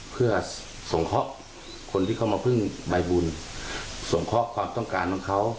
เพื่อส่งเคราะห์คนที่เขามาพึ่งใบบุญส่งเคราะห์ความต้องการของเขา